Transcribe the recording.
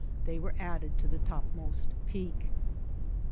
They were added to the topmost peak.